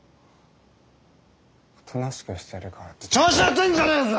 おとなしくしてるからって調子乗ってんじゃねえぞ！